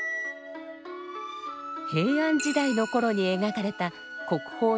平安時代の頃に描かれた国宝の絵巻物